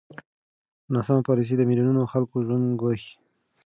ناسمه پالېسي د میلیونونو خلکو ژوند ګواښي.